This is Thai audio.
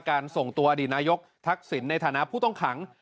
การส่งตัวอดินายกทักศิลป์ในฐานะผู้ต้องขัง